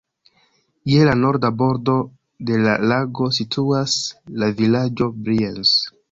Je la norda bordo de la lago situas la vilaĝo Brienz.